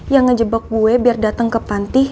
yang ngejebak gue biar dateng ke panti